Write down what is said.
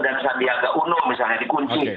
dan sandiaga uno misalnya dikunci